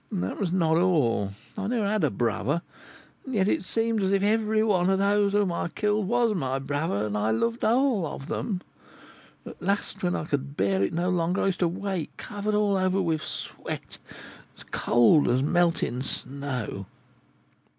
That was not all. I never had a brother; and yet it seemed as if every one of those whom I killed was my brother, and I loved all of them. At last, when I could bear it no longer, I used to wake covered all over with sweat, as cold as melting snow."